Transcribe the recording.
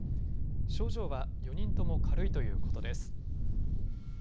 症状は４人とも軽いということです。